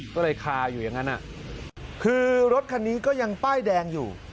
ก็เลยคาอยู่อย่างนั้นคือรถคันนี้ก็ยังป้ายแดงอยู่